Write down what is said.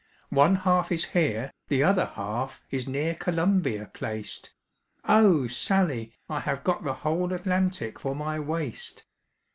"One half is here, the other half Is near Columbia placed; Oh! Sally, I have got the whole Atlantic for my waist.